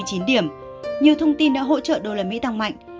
nhiều thông tin đã hỗ trợ đô la mỹ tăng mạnh